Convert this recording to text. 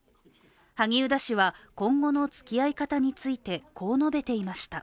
萩生田氏は今後のつきあい方について、こう述べていました。